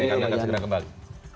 kalian akan segera kembali